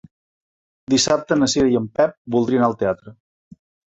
Dissabte na Cira i en Pep voldria anar al teatre.